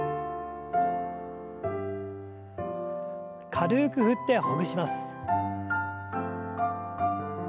軽く振ってほぐします。